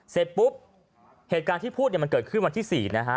เสร็จปุ๊บเหตุการณ์ที่พูดเนี่ยมันเกิดขึ้นวันที่๔นะฮะ